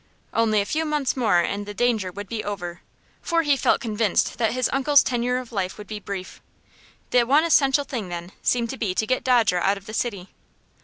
Only a few months more and the danger would be over, for he felt convinced that his uncle's tenure of life would be brief. The one essential thing, then, seemed to be to get Dodger out of the city.